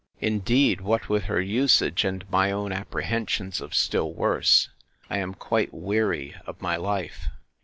—Indeed, what with her usage, and my own apprehensions of still worse, I am quite weary of my life.